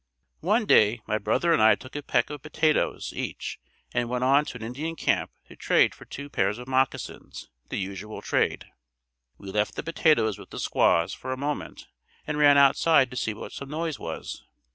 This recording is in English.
One day my brother and I took a peck of potatoes each and went to an Indian camp to trade for two pairs of moccasins, the usual trade. We left the potatoes with the squaws for a moment and ran outside to see what some noise was.